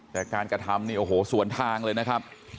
แต่การกระทำนี่โอ้โหสวนทางเลยนะครับ